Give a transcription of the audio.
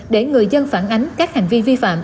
để người dân phản ánh các hành vi vi phạm